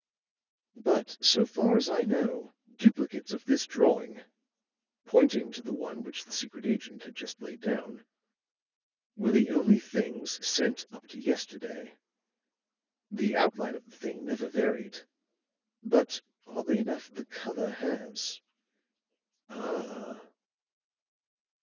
But, so far as I know, duplicates of this drawing," pointing to the one which the secret agent had just laid down, "were the only things sent up to yesterday. The outline of the thing never varied; but, oddly enough, the color has." "Ah!"